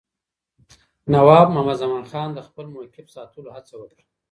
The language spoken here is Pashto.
نواب محمد زمانخان د خپل موقف ساتلو هڅه وکړه.